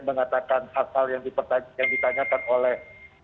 mengatakan hasil yang ditanyakan oleh